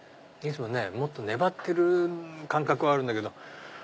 いつももっと粘ってる感覚はあるんだけど。